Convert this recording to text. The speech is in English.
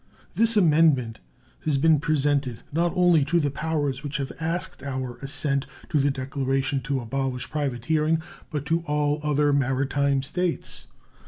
This amendment has been presented not only to the powers which have asked our assent to the declaration to abolish privateering, but to all other maritime states.